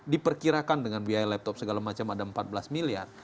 diperkirakan dengan biaya laptop segala macam ada empat belas miliar